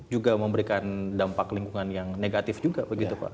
juga memberikan dampak lingkungan yang negatif juga begitu pak